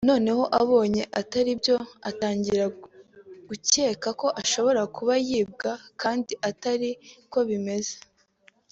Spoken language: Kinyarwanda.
noneho abonye atari byo atangira gukeka ko ashobora kuba yibwa kandi atari ko bimeze